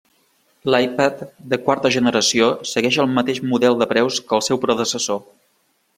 L'iPad de quarta generació segueix el mateix model de preus que el seu predecessor.